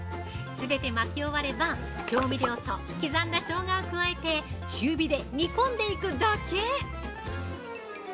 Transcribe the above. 全て巻き終われば、調味料と刻んだしょうがを加えて中火で煮込んでいくだけ！